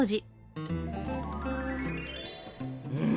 うん。